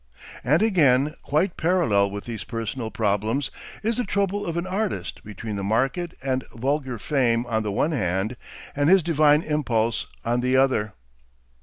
And again quite parallel with these personal problems is the trouble of the artist between the market and vulgar fame on the one hand and his divine impulse on the other.